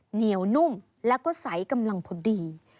เหนียวนุ่มแล้วก็ใสกำลังพอดี